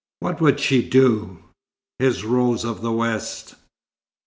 What would she do his Rose of the West?